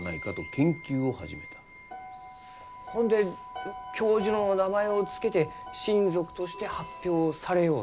ほんで教授の名前を付けて新属として発表されようと？